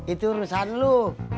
itu urusan lu